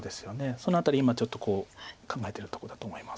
その辺り今ちょっと考えてるとこだと思います。